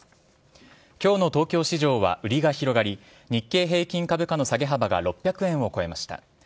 今日の東京市場は売りが広がり日経平均株価の下げ幅が６００円を超えました。